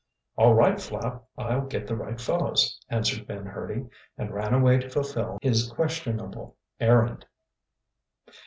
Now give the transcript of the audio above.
"All right, Flapp, I'll get the right fellows," answered Ben Hurdy, and ran away to fulfill his questionable errand.